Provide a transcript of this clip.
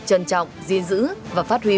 trân trọng diên dữ và phát huy